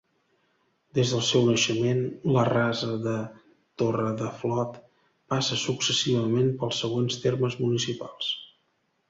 Des del seu naixement, la Rasa de Torredeflot passa successivament pels següents termes municipals.